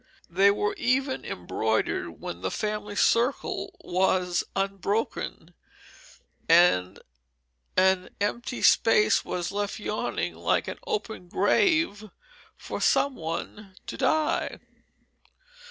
They were even embroidered when the family circle was unbroken, and an empty space was left yawning like an open grave for some one to die.